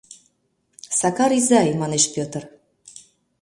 — Сакар изай, — манеш Пӧтыр.